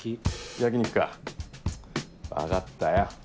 焼き肉か分かったよ。